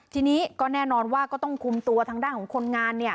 ทีนี้ก็แน่นอนว่าก็ต้องคุมตัวทางด้านของคนงาน